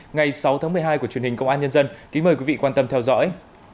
ngày sáu tháng một mươi hai của truyền hình công an nhân dân kính mời quý vị quan tâm theo dõi